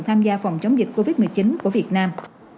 tham gia phòng chống dịch covid một mươi chín của việt nam